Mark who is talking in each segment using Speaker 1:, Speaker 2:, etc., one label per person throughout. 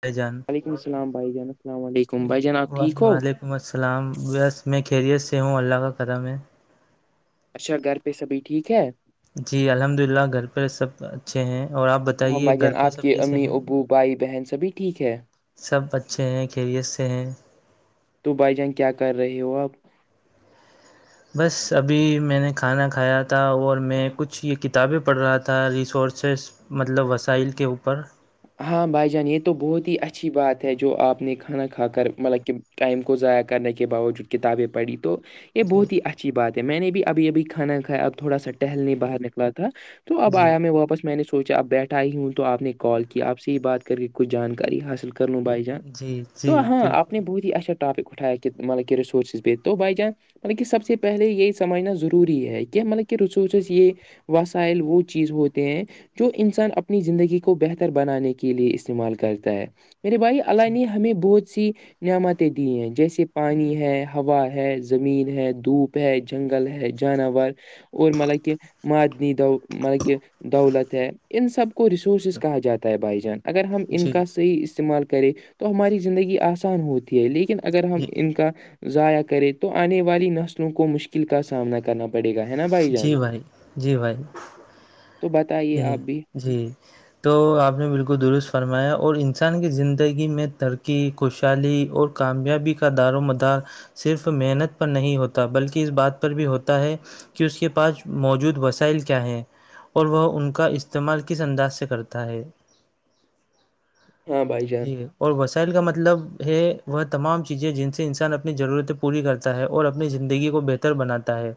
Speaker 1: بھائی جان
Speaker 2: وعلیکم السلام بھائی جان السلام علیکم بھائی جان آپ ٹھیک ہو
Speaker 1: وعلیکم السلام اویس میں خیریت سے ہوں اللہ کا کرم ہے
Speaker 2: اچھا گھر پہ سبھی ٹھیک ہے
Speaker 1: جی الحمد اللہ گھر پہ سب اچھے ہیں اور آپ
Speaker 2: ہاں
Speaker 1: بتائیے
Speaker 2: بھائی
Speaker 1: گھر
Speaker 2: جان
Speaker 1: پہ
Speaker 2: آپ کے
Speaker 1: سب کیسے
Speaker 2: امی
Speaker 1: ہیں
Speaker 2: ابو بھائی بہن سبھی ٹھیک ہے
Speaker 1: سب اچھے ہیں خیریت سے ہیں
Speaker 2: تو بھائی جان کیا کر رہے ہو آپ
Speaker 1: بس ابھی میں نے کھانا کھایا تھا اور میں کچھ یہ کتابیں پڑھ رہا تھا ریسورسیز مطلب وسائل کے اوپر
Speaker 2: ہاں بھائی جان یہ تو بہت ہی اچھی بات ہے جو آپ نے کھانا کھا کر مطلب کہ ٹائم کو ضائع کرنے کے باوجود کتابیں پڑھی تو یہ
Speaker 1: جی
Speaker 2: بہت ہی اچھی بات ہے میں نے بھی ابھی ابھی کھانا کھایا اب تھوڑا سا ٹہلنے باہر نکلا تھا تو اب
Speaker 1: جی
Speaker 2: آیا میں واپس میں نے سوچا اب بیٹھا ہی ہوں تو آپ نے کال کیا سے بات کر کے کچھ جانکاری حاصل کر لوں بھائی جان
Speaker 1: جی جی
Speaker 2: تو ہاں اپ نے
Speaker 1: بالکل
Speaker 2: بہت ہی اچھا اپ نے بٹھایا کتنے مالی رسورسز پے تو بھائی جان مطلب کہ سب سے پہلے یہی سمجھنا ضروری ہے کی مطلب کہ ریسورسز یہ وسائل وہ چیز ہوتے ہیں جو انسان اپنی زندگی کو بہتر گھر بنانے کے لیے استعمال کرتا ہے میرے بھائی اللہ
Speaker 1: جی
Speaker 2: نے ہمیں بہت سی نعمتیں دی ہیں جیسے پانی ہے ہوا ہے زمین ہے دھوپ ہے جنگل ہے جانور اور مطلب کہ معدنی م کہ دولت ہے ان سب کو ریسورسز کہا جاتا ہے بھائی جان [inaudible] اگر ہم ان
Speaker 1: جی
Speaker 2: کا صحیح استعمال کریں تو ہماری زندگی آسان ہوتی ہے لیکن اگر ہم
Speaker 1: جی
Speaker 2: ان کا ضائع کریں تو آنے والی نسلوں کو مشکل کا سامنا کرنا پڑ پڑے گا ہے نا بھائی جان
Speaker 1: جی جی بھائی
Speaker 2: تو بتائیے
Speaker 1: جی
Speaker 2: آپ بھی
Speaker 1: جی تو آپ نے بالکل درست فرمایا اور انسان کی زندگی میں ترقی خوشحالی اور کامیابی کا دار مدار صرف محنت پر نہیں ہوتا بلکہ اس بات پر بھی ہوتا ہے کہ اس کے پاس موجود وسائل کیا ہیں اور وہ ان کا استعمال کس انداز سے کرتا ہے
Speaker 2: ہاں بھائی جان
Speaker 1: جے اور وسائل کا مطلب ہے وہ تمام چیزیں جن سے انسان اپنی ضرورتیں پوری کر تا ہے اور اپنی زندگی کو بہتر بناتا ہے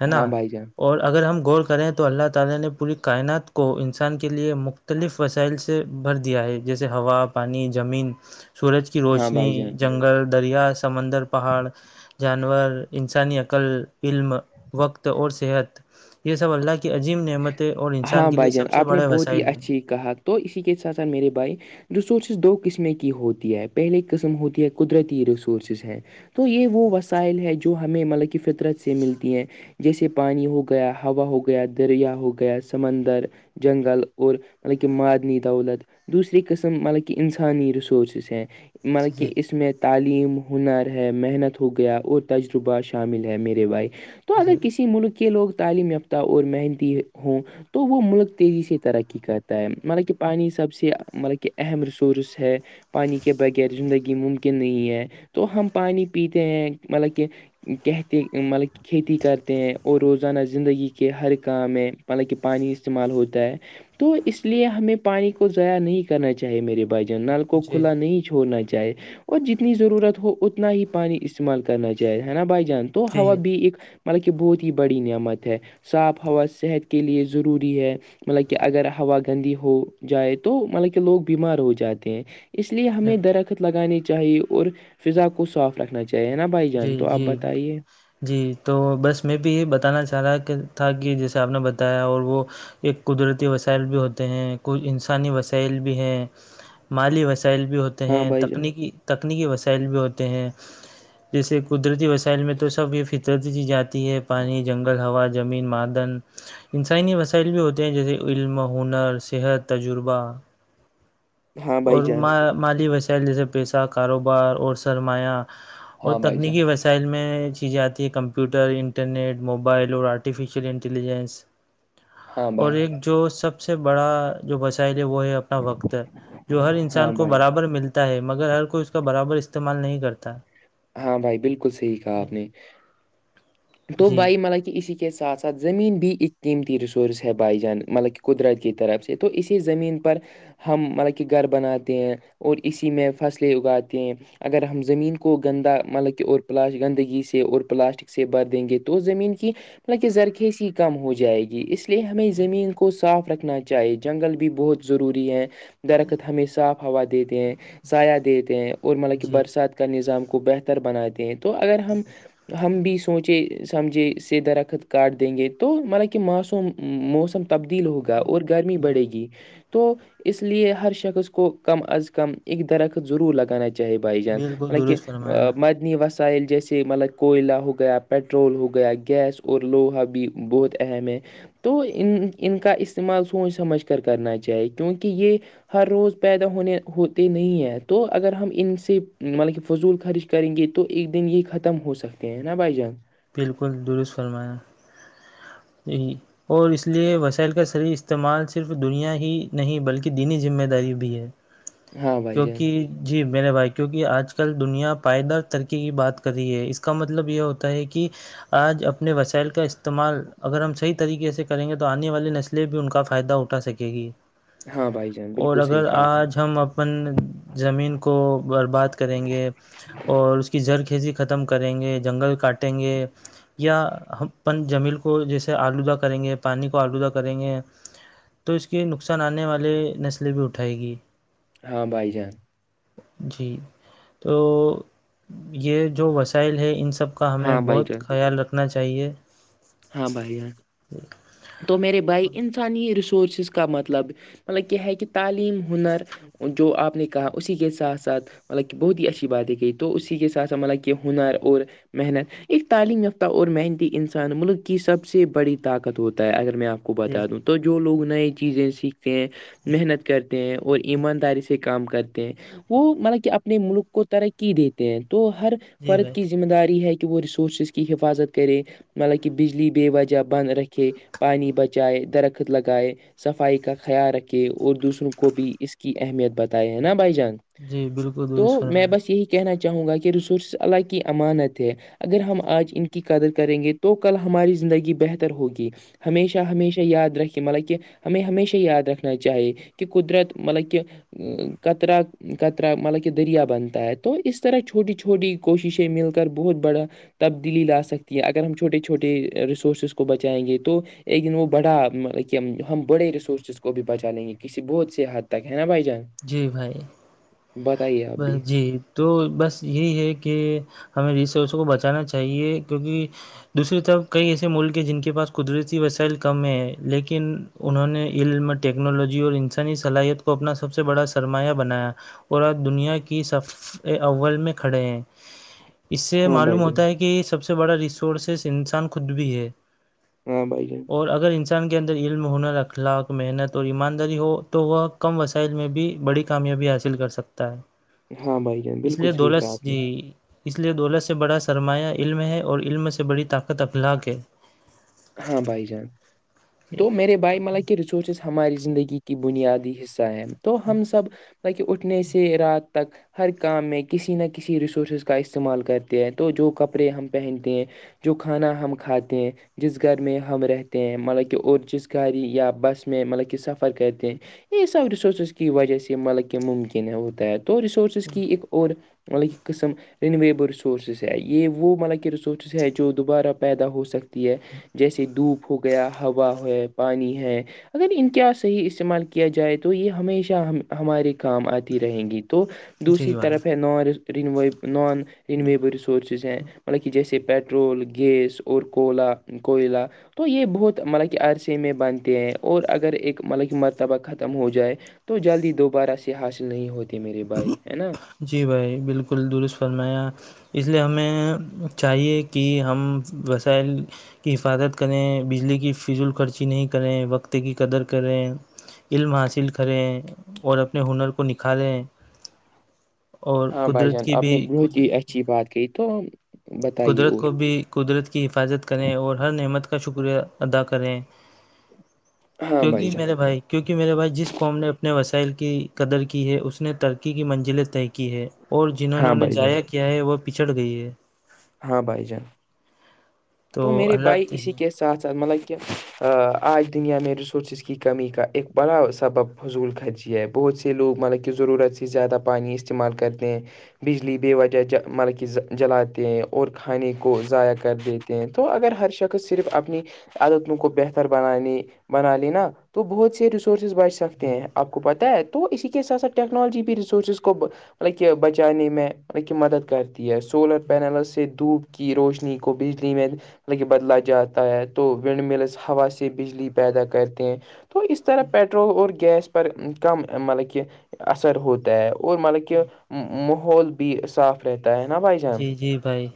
Speaker 1: ہے
Speaker 2: ہاں
Speaker 1: نا
Speaker 2: بھائی جان
Speaker 1: اور اگر ہم غور کریں تو اللہ الا نے پوری کائنات کو انسان کے لیے مختلف وسائل سے بھر دیا ہے جیسے ہوا- پانی زمین سورج کی
Speaker 2: ہاں
Speaker 1: روشنی
Speaker 2: بھائی جان
Speaker 1: جنگل دریا سمندر پہاڑ جانور انسانی عقل علم وقت اور صحت یہ سب اللہ کی عجیب جم نعمتیں اور انسان
Speaker 2: ہاں
Speaker 1: کے لیے
Speaker 2: بھائی جان
Speaker 1: سب سے
Speaker 2: آپ نے
Speaker 1: بڑے
Speaker 2: بہت ہی
Speaker 1: وسائل ہیں
Speaker 2: اچھی کہا تو اسی کے ساتھ ساتھ میرے بھائی ریسورسز دو قسمیں کی ہوتی ہے پہلے قسم ہوتی ہے قدرتی ریسورسز ہیں تو یہ وہ وسائل ہے جو ہمیں مطلب کہ فطرت سے ملتی ہیں جیسے پانی ہو گیا ہوا ہو گیا دریا ہو گیا سمندر جنگل اور مطلب کہ مادنی دولت دوسری قسم مطلب کہ انسانی ریسورسز ہیں مطلب کہ
Speaker 1: جی
Speaker 2: اس میں تعلیم ہنر ہے محنت ہو گیا اور تجربہ شامل ہے میرے بھائی تو اگر
Speaker 1: جی
Speaker 2: کسی ملک کے لوگ تعلیم یافتہ اور مہندی ہوں تو وہ ملک تیزی سے ترقی کرتا ہے مطلب کہ پانی سب سے مطلب کہ اہم ریسورس ہے پانی کے بغیر زندگی ممکن نہیں ہے تو ہم پانی پیتے ہیں مطلب کہ کہتے مطلب کھیتی کرتے ہیں اور روزانہ زندگی کے ہر کام میں مطلب کہ پانی استعمال ہوتا ہے تو اس لیے ہمیں پانی کو ضائیاع نہیں کرنا چاہیے میرے بھائی جان نل کو
Speaker 1: جی
Speaker 2: کھلا نہیں چھوڑنا چاہے اور جتنی ضرورت ہو اتنا ہی پانی استعمال کرنا چاہے ہے نا بھائی جان تو ہوا
Speaker 1: جی
Speaker 2: بھی ایک مطلب کہ بہت ہی بڑی نعمت ہے صاف ہوا صحت کے لیے ضروری ہے مطلب کہ اگر ہوا گندی ہو جائے تو مطلب کہ لوگ بیمار ہو جاتے ہیں اس لیے ہمیں درخت لگانی چاہیے اور فضا کو صاف رکھنا چاہیے نا بھائی
Speaker 1: جی
Speaker 2: جان تو آپ
Speaker 1: جی
Speaker 2: بتائیے
Speaker 1: جی تو بس میں بھی یہ بتانا چاہ رہا کہ تھا کہ جیسے آپ نے بتایا اور وہ ایک قدرتی وسائل بھی ہوتے ہیں کوئی انسانی وسائل بھی ہیں مالی وسائل بھی ہوتے
Speaker 2: ہاں
Speaker 1: ہیں
Speaker 2: بھائی جان
Speaker 1: تکنیکی تکنیکی وسائل بھی ہوتے ہیں جیسے قدرتی وسائل میں تو سب یہ فطرت ج جاتی ہے پانی جنگل ہوا جب زمین مادن [inaudible] انسانی وسائل بھی ہوتے ہیں جیسے علم ہنر صحت تجربہ
Speaker 2: ہاں
Speaker 1: اور
Speaker 2: بھائی جان
Speaker 1: مالی وسائل جیسے پیسہ کاروبار اور سرمایہ اور
Speaker 2: ہاں بھائی جان
Speaker 1: تکنیکی ویس م سائل میں چیزیں آتی ہیں کمپیوٹر انٹرنیٹ موبائل اور آرٹیفیشیل انٹیلیجنس
Speaker 2: ہاں
Speaker 1: اور
Speaker 2: بھائی
Speaker 1: ایک جو سب سے بڑا جو وسائل ہے وہ ہے اپنا وقت جو ہر
Speaker 2: ہاں
Speaker 1: انسان کو
Speaker 2: بھائی
Speaker 1: برابر ملتا ہے مگر ہر کوئی اس کا برابر استعمال نہیں کرتا
Speaker 2: ہاں بھائی بالکل صحیح کہا آپ نے تو
Speaker 1: جی
Speaker 2: بھائی ملب کہ اسی کے ساتھ ساتھ زمین بھی ایک قیمتی ریسورس ہے بائی جان مطلب کہ قدرت کی طرف سے تو اسی زمین پر ہم مطلب کہ گھر بناتے ہیں اور اسی میں فصلیں اگاتے ہیں اگر ہم زمین کو کو گندا مطلب کہ اور پلاس گندگی سے اور پلاسٹک سے بھر دیں گے تو زمین کی مطلب کہ زرخیز ہی کم ہو جائے گی اس لیے اس لیے ہمیں زمین کو صاف رکھنا چاہیے جنگل بھی بہت ضروری ہے درخت ہمیں صاف ہوا دیتے ہیں سایہ دیتے ہیں اور مطلب کہ
Speaker 1: جی
Speaker 2: برسات کا کو بہتر بناتے ہیں تو اگر ہم ہم بھی سوچے سمجھے سے درخت کاٹ دیں گے تو مطلا کہ موس موسم تبدیل ہوگا اور گرمی بڑے گی تو اس لیے ہر شخص کو کم از کم ایک درخت ضرور لگانا چاہے بھائی جان
Speaker 1: بالکل درست فرمایا
Speaker 2: قدنی وسائل جیسے مطلب کوئلہ ہو گیا پٹرول ہو گیا گیس اور لوہا بھی بہت اہم ہے تو ان ان کا استعمال سوچ سمجھ کر کرنا چاہیے کیونکہ یہ ہر روز پیدا ہونے ہوتے نہیں ہیں تو اگر ہم ان سے مطلب فضول خرچ کریں گے تو ایک دن یہ ختم ہو سکتے ہیں نا بائی جانس
Speaker 1: بالکل درست فرمایا یہ اور اس لیئے وسائل کا صح استعمال صرف دنیا ہی نہیں بلکہ دینی ذمہ داری بھی ہے
Speaker 2: ہاں بھائی جان
Speaker 1: کیونکہ جی میرے بھائی کیونکہ آج کل دنیا پائیدار ترقی کی بات کر رہی ہے اس کا مطلب یہ ہوتا ہے کہ کہ آج اپنے وسائل کا استعمال اگر ہم صحیح طریقے سے کریں گے تو آنے والی نسلیں بھی ان کا فائدہ اٹھا سکیں گی
Speaker 2: ہاں بھائی جان
Speaker 1: اور
Speaker 2: بالکل
Speaker 1: اگر
Speaker 2: صحیح کہا آپ نے
Speaker 1: آج ہم اپنے اپن زمین کو برباد کریں گے اور اس کی زرخیزی ختم کریں گے جنگل کاٹیں گے یا ہم اپن جمیل کو جیسے آلودہ کریں گے پانی کو آلودہ کریں گے تو اس کے نقصان آنے والے نسلیں بھی اٹھائے گی
Speaker 2: ہاں بھائی جان
Speaker 1: جی تو یہ جو وسائل ہے ان سب کا کا ہمیں
Speaker 2: ہاں بھائی
Speaker 1: بہت
Speaker 2: جان
Speaker 1: خیال رکھنا چاہیے
Speaker 2: ہاں بھائی ہے تو میرے بھائی انسانی ریسورسز کا مطلب مطلب کہ ہے کہ تعلیم ہنر جو آپ نے کہا اسی کے ساتھ ساتھ مطلب کہ بہت ہی اچھی بات ہے کہ تو اسی کے ساتھ مطلب کہ ہنر اور محنت ایک تعلیم یافتہ اور محنتی انسان ملک کی سب سے بڑی طاقت ہوتا ہے اگر میں آپ کو
Speaker 1: جی
Speaker 2: بتا دوں تو جو لوگ نئی چیزیں سیکھ محنت کرتے ہیں اور ایمانداری سے کام کرتے ہیں وہ مطلب کہ اپنے ملک کو ترقی دیتے ہیں تو ہر
Speaker 1: جی
Speaker 2: فرد
Speaker 1: بھائی
Speaker 2: کی ذمہ داری ہے کہ وہ ریسورسز کی حفاظت کرے مطلب کہ بجلی بے وجہ بند رکھے پانی بچائے درخت لگائے صفائی کا خیال رکھے اور دوسروں کو بھی اس کی اہمیت بتائے نا بھائی جان
Speaker 1: جی بالکل درست
Speaker 2: تو میں
Speaker 1: فرمائیں
Speaker 2: بس یہی کہنا چاہوں گا کہ ریسورسز اللہ کی امانت ہے اگر ہم آج ان کی قدر کریں گے تو تو کل ہماری زندگی بہتر ہوگی ہمیشہ ہمیشہ یاد رکھے مطلب کہ ہمیں ہمیشہ یاد رکھنا چاہیے کہ قدرت مطلب کہ کترا کترا مطلب کہ دریا بنتا ہے تو اس طرح چھوٹی چھوٹی کوششیں مل کر بہت بڑا تبدیلی لا سکتی ہیں اگر ہم چھوٹے چھوٹے ریسورسز کو بچائیں گے تو لیکن وہ بڑا ہم بڑے ریسورسز کو بھی بچا لیں گے کسی بہت سے حد تک ہے نا بھائی جان
Speaker 1: جی بھائی
Speaker 2: بتائیے آپ
Speaker 1: ب
Speaker 2: بھی
Speaker 1: جی تو بس یہی ہے کہ ہمیں ریسورسوں کو بچانا چاہیے کیونکہ دوسری طرف کئی ایسے ملک ہیں جن کے پاس قدرتی وسائل کم ہیں لیکن انہوں نے علم ٹیکنالوجی اور انسانی صلاحیت کو اپنا سب سے بڑا سرمایہ بنایا اور اج دنیا کیف اول میں کھڑے ہیں اس سے
Speaker 2: ہاں
Speaker 1: معلوم
Speaker 2: بھائی جان۔
Speaker 1: ہوتا ہے کہ سب سے سے بڑا ریسورسس انسان خود بھی ہے
Speaker 2: ہاں بھائی جان
Speaker 1: اور اگر انسان کے اندر علم ہونر رخلاق محنت اور ایمانداری ہو تو وہ کم وسائل میں بھی بڑی کامیابی حاصل کر سکتا ہے
Speaker 2: ہاں بھائی جان
Speaker 1: اس
Speaker 2: بالکل
Speaker 1: لیے
Speaker 2: صحیح
Speaker 1: دولت
Speaker 2: کہا آپ نے
Speaker 1: جی اس لیے دولت سے بڑا سرمایہ علم ہے اور علم سے بڑی طاقت اخلاق ہے
Speaker 2: ہاں بھائی جان تو میرے بھائی مطلب کہ ریسورسز ہماری زندگی کی بنیادی حصہ تو ہم سب لک اٹھنے سے رات تک ہر کام میں کسی نہ کسی ریسورسز کا استعمال کرتے ہیں تو جو کپڑے ہم پہنتے ہیں جو کھانا ہم کھاتے ہیں جس گھر میں ہم رہتے ہیں مطلب کہ اور جس گاڑی یا بس میں مطلب کہ سفر کرتے ہیں یہ سب ریسورسز کی وجہ سے مطلب کہ ممکن ہے ہوتا ہے تو ریسورسز کی ایک اور ملب ایک قسم رینویبل رسورسز ہے یہ وہ مطلب کہ ریسورسز ہے جو دوبارہ پیدا ہو سکتی ی ہے جیسے دھوپ ہو گیا ہوا ہے پانی ہے اگر ان کیا صحیح استعمال کیا جائے تو یہ ہمیشہ ہم ہمارے کام آتی رہیں گی تو دوسری
Speaker 1: جی بھائی
Speaker 2: طرف ہے نان رویبل ریسورسز ہیں مطلب کہ جیسے پٹرول گیس اور کوئلہ کوئلہ تو یہ بہت مطلب کہ عرصے میں بنتے ہیں اور اگر ایک مطلب کہ مرتبہ ختم ہو جائے تو جلدی دوبارہ سے حاصل نہیں ہوتے میرے بھائی ہے نا
Speaker 1: جی بھائی بالکل درست فرمایا اس لیے ہمیں چاہیے کہ ہم وسائل کی حفاظت کریں بجلی کی فض ال خرچی نہیں کریں وقت کی قدر کریں علم حاصل کریں اور اپنے ہنر کو نکھاریں اور
Speaker 2: ہاں بھائی
Speaker 1: قدرت
Speaker 2: جان
Speaker 1: کی
Speaker 2: آپ
Speaker 1: بھی
Speaker 2: نے بہت ہی
Speaker 1: قدر
Speaker 2: اچھی بات کی تو بتائیے
Speaker 1: قدرت
Speaker 2: اور
Speaker 1: کو بھی قدرت کی حفاظت کریں اور ہر نعمت کا شکریہ ادا کریں
Speaker 2: ہاں بھائی
Speaker 1: کیونکہ
Speaker 2: جان
Speaker 1: میرے بھائی کیونکہ میرے بھائی جس قوم نے اپنے وسائل کی قدر کی ہے اس نے ترقی کی منزلیں طے کی ہے اور جنہوں نے
Speaker 2: ہاں
Speaker 1: انہیں
Speaker 2: بھائی جان
Speaker 1: جضاع کیا ہے وہ پچھڑ گئی ہے
Speaker 2: ہاں بھائی جان تو میرے بھائی اسی کے ساتھ ساتھ مطلب کہ آج دنیا میں ریسورسز کی کمی کا ایک بڑا سبب فضول خرچی ہے بہت سے لوگ مطلب کی ضرورت سے سے زیادہ پانی استعمال کرتے ہیں بجلی بے وجہ مطلب کہ جلاتے ہیں اور کھانے کو ضائع کر دیتے ہیں تو اگر ہر شخص صرف اپنی عدتوں کو بہتر بنانی بنا لینا تو بہت سے ریسورسز بچ سکتے
Speaker 1: جی
Speaker 2: ہیں اب کو پتا ہے تو اسی کے ساتھ ساتھ ٹیکنالوجی بھی ریسورسز کو مطلب کہ بچانے میں مطلب کہ مدد کرتے ہے سولر پینلوں سے دھوپ کی روشنی کو بجلی میں ل بدلا جاتا ہے تو ونڈ ملس ہوا سے بجلی پیدا کرتے ہیں تو اس طرح پٹرول اور گیس پر کم مطلب کہ اثر ہوتا ہے اور مطلب کہ ماحول بھی صاف رہتا ہے نا بھائی جان
Speaker 1: جی جی بھائی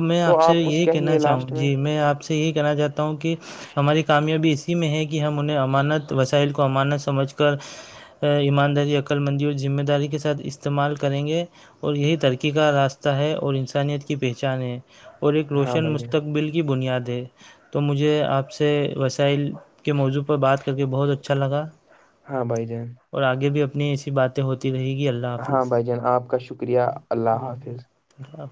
Speaker 1: میں
Speaker 2: تو
Speaker 1: سے
Speaker 2: آپ کچھ
Speaker 1: یہی کہنا
Speaker 2: کہیے
Speaker 1: چاہوں
Speaker 2: لاسٹ
Speaker 1: جی میں آپ سے یہی کہنا چاہتا ہوں کہ ہماری کامیابی اسی میں ہے کہ ہم انہیں امانت وسائل کو امانت سمجھ کر ایمانداری عقللمندی اور ذمہ داری کے ساتھ استعمال کریں گے اور یہی ترکی کا راستہ ر ہے اور انسانیت کی پہچان ہے اور ایک
Speaker 2: ہاں
Speaker 1: روشن
Speaker 2: بھائی جان
Speaker 1: مستقبل کی بنیاد ہے تو مجھے آپ سے وسائل کے موضوع پر بات کر کے بہت اچھا لگا
Speaker 2: ہاں بھائی جان
Speaker 1: اور آگے بھی اپنی ایسی باتیں ہوتی رہے گی اللہ
Speaker 2: ہاں
Speaker 1: حافظ
Speaker 2: بھائی
Speaker 1: اللہ
Speaker 2: جان آپ کا شکریہ اللہ حافظ
Speaker 1: اب